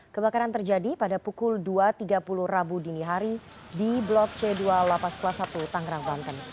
kebakaran terjadi pada pukul dua tiga puluh rabu dini hari di blok c dua lapas kelas satu tangerang banten